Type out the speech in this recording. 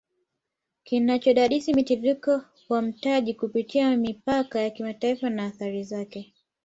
Kinachodadisi mtiririko wa mtaji kupitia mipaka ya kimataifa na athari zaKe